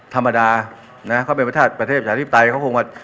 ธรรมดานะฮะเขาเป็นประเทศประเทศอาทิตย์ไตยเขาคงว่า